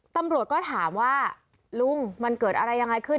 ตำรวจก็ถามว่าลุงมันเกิดอะไรยังไงขึ้น